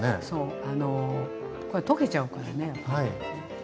そうあのこれ溶けちゃうからね。